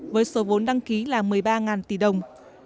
với số vốn đăng ký là một mươi ba tỷ đồng